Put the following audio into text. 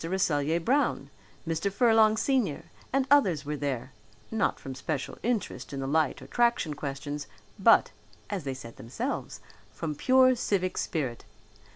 Rasselyer Brown, Mr. Furlong senior and others were there, not from special interest in the light or traction questions, but, as they said themselves, from pure civic spirit.